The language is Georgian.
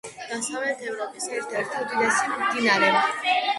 დასავლეთ ევროპის ერთ-ერთი უდიდესი მდინარე.